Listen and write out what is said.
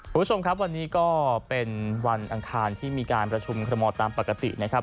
คุณผู้ชมครับวันนี้ก็เป็นวันอังคารที่มีการประชุมคอรมอลตามปกตินะครับ